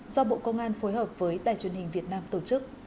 do bộ công an phối hợp với đài truyền hình việt nam tổ chức